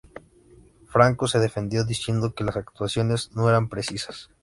Franco se defendió diciendo que las acusaciones no eran precisas.